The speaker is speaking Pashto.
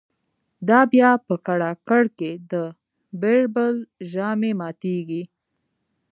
دا به بیا په کړاکړ کی د« بیربل» ژامی ماتیږی